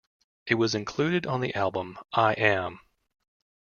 It was included on the album "I Am".